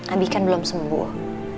abi kan belum sembuh